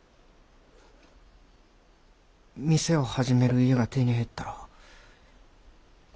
店を始める家が手に入ったら。